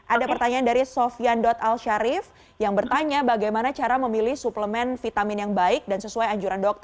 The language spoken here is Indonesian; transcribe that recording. ada pertanyaan dari sofian al sharif yang bertanya bagaimana cara memilih suplemen vitamin yang baik dan sesuai anjuran dokter